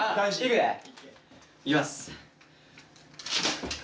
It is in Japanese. いきます！